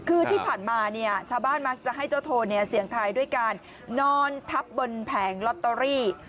คือที่ผ่านมาเนี่ยชาวบ้านมักจะให้เจ้าโทนเนี่ยเสี่ยงทายด้วยการนอนทับบนแผงลอตเตอรี่